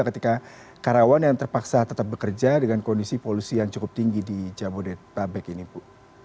ketika karyawan yang terpaksa tetap bekerja dengan kondisi polusi yang cukup tinggi di jabodetabek ini bu